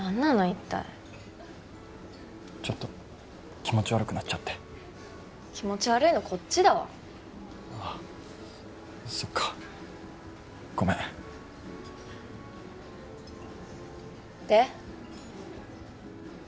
一体ちょっと気持ち悪くなっちゃって気持ち悪いのこっちだわあそっかごめんで？